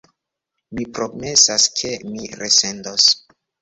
Mi promesas, ke mi resendos.